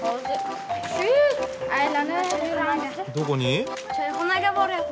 どこに？